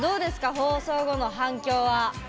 放送後の反響は？